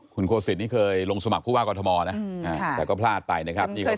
คุณโคสิตนี่เคยลงสมัครผู้ว่ากอทมนะแต่ก็พลาดไปนะครับ